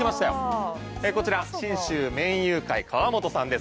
こちら信州麺友会河本さんです。